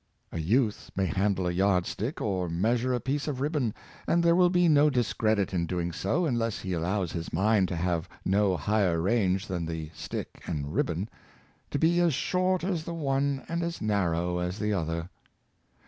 A youth may handle a yard stick, or measure a piece of ribbon; and there will be no discredit in do ing so, unless he allows his mind to have no higher range than the stick and ribbon; to be as short as the one and as narrow as the other.